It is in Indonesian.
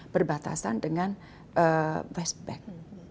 berbatasan dengan west bank